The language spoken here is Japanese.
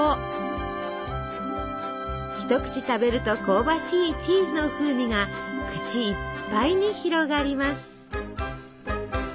一口食べると香ばしいチーズの風味が口いっぱいに広がります。